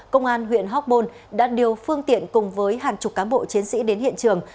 công an huyện hóc môn đã điều phương tiện cùng với hàng chục cán bộ chiến sĩ đến hiện trường